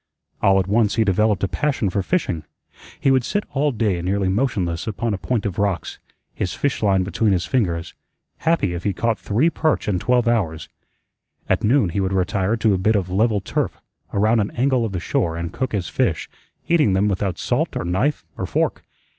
All at once he developed a passion for fishing. He would sit all day nearly motionless upon a point of rocks, his fish line between his fingers, happy if he caught three perch in twelve hours. At noon he would retire to a bit of level turf around an angle of the shore and cook his fish, eating them without salt or knife or fork.